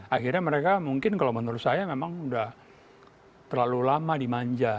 akhirnya mereka mungkin kalau menurut saya memang udah terlalu lama dimanja